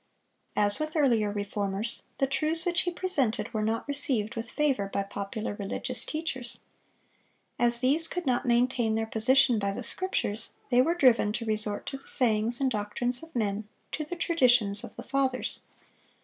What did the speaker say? As with earlier Reformers, the truths which he presented were not received with favor by popular religious teachers. As these could not maintain their position by the Scriptures, they were driven to resort to the sayings and doctrines of men, to the traditions of the Fathers.